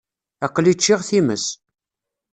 Aql-i ččiɣ times.